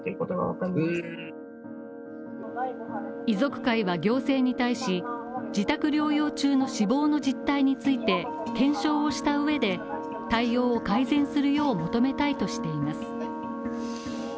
遺族会は行政に対し自宅療養中の死亡の実態について検証をした上で対応を改善するよう求めたいとしています。